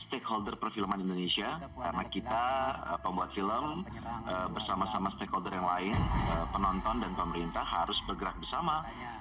stakeholder perfilman indonesia karena kita pembuat film bersama sama stakeholder yang lain penonton dan pemerintah harus bergerak bersama